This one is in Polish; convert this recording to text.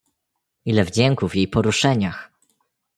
"ile wdzięku w jej poruszeniach!"